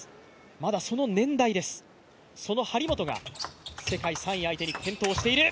まだその年代です、その張本が世界３位相手に健闘している。